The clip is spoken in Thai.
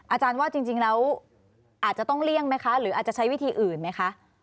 อาจารย์ว่าจริงแล้วอาจจะต้องเลี่ยงไหมคะหรืออาจจะใช้วิธีอื่นไหมคะ